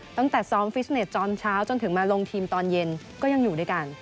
ตั้งแต่ซ้อมฟิสเน็ตตอนเช้าจนถึงมาลงทีมตอนเย็นก็ยังอยู่ด้วยกัน